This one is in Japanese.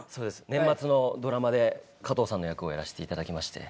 年末のドラマで加藤さんの役をやらしていただきまして。